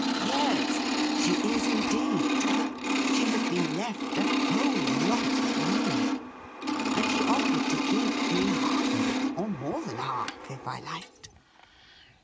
' Yes, she is indeed ! She has been left a whole lot of money, and she offered to give me half of it, or more than half, if I liked.'